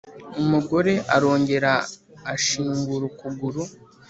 Umugore arongera ashingura ukuguru